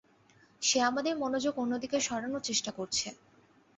সে আমাদের মনোযোগ অন্যদিকে সরানোর চেষ্টা করছে।